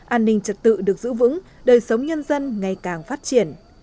an ninh trật tự được giữ vững đời sống nhân dân ngày càng phát triển